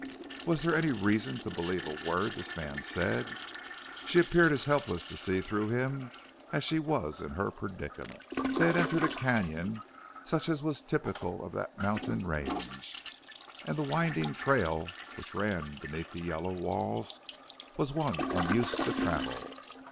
Was there any reason to believe a word this man said? She appeared as helpless to see through him as she was in her predicament. They had entered a canon, such as was typical of that mountain range, and the winding trail which ran beneath the yellow walls was one unused to travel.